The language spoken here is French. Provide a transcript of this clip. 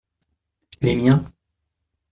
Les miens.